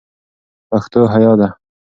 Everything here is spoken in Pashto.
پښتو حیا ده